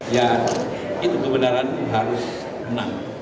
ya itu kebenaran harus menang